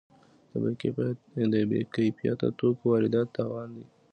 د بې کیفیت توکو واردات تاوان دی.